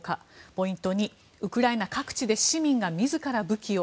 ポイント２、ウクライナ各地で市民が自ら武器を。